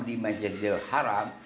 di masjidil haram